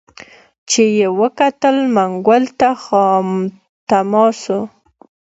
چي یې وکتل منګول ته خامتما سو